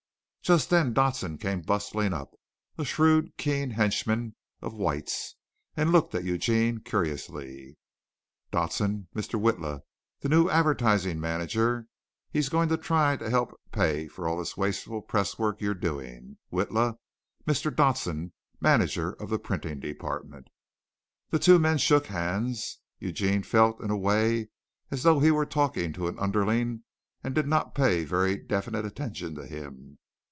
Just then Dodson came bustling up, a shrewd, keen henchman of White's, and looked at Eugene curiously. "Dodson, Mr. Witla, the new advertising manager. He's going to try to help pay for all this wasteful presswork you're doing. Witla, Mr. Dodson, manager of the printing department." The two men shook hands. Eugene felt in a way as though he were talking to an underling, and did not pay very definite attention to him.